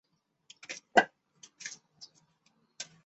出生于犹他州盐湖城在密歇根州底特律长大。